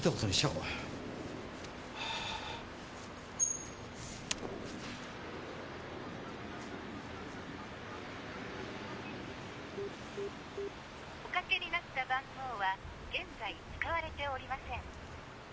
「おかけになった番号は現在使われておりません」